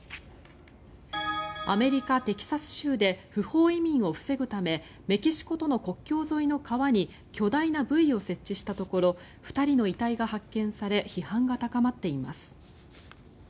アメリカ・テキサス州で不法移民を防ぐためメキシコとの国境沿いの川に巨大なブイを設置したところ２人の遺体が発見され批判が高まっています。